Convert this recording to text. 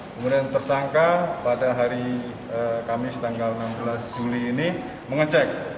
kemudian tersangka pada hari kamis tanggal enam belas juli ini mengecek